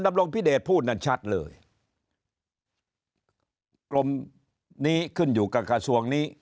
ดำรงพิเดชพูดนั้นชัดเลยกรมนี้ขึ้นอยู่กับกระทรวงนี้